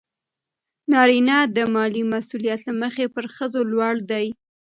نارینه د مالي مسئولیت له مخې پر ښځو لوړ دی.